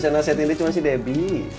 yang bisa nasehatin dia cuma sih debi